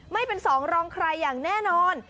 ไม่เป็นสองรองใครอย่างแน่นอน